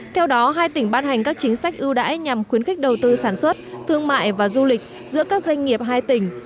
theo đó hai tỉnh ban hành các chính sách ưu đãi nhằm khuyến khích đầu tư sản xuất thương mại và du lịch giữa các doanh nghiệp hai tỉnh